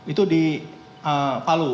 itu di palu